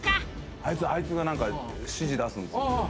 あいつがなんか指示出すんですよ。